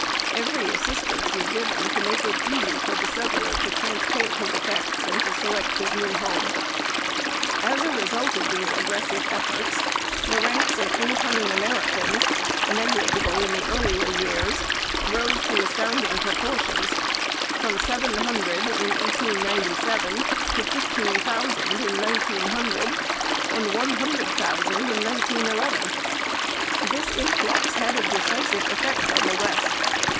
Every assistance was given to make it easy for the settler to transport his effects and to select his new home. As a result of these aggressive efforts, the ranks of incoming Americans, negligible in the earlier years, rose to astounding proportions from seven hundred in 1897 to fifteen thousand in 1900 and one hundred thousand in 1911. This influx had a decisive effect on the West.